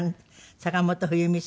坂本冬美さん